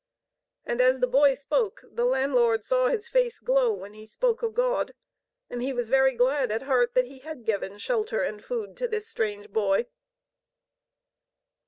And as the boy spoke, the landlord saw his face glow when he spoke of God and he was very glad at heart that he had given shelter and food, to this strange boy.